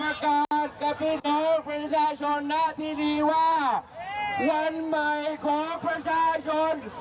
วันใหม่ที่เต็มด้วยสักสว่างแห่งความหวังของประชาชน